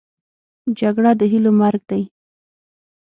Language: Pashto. جګړه د هیلو مرګ دی